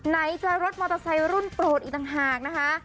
ไหนจะรถมอเตอร์ไซค์รุ่นโปรดอีกต่างหากนะคะ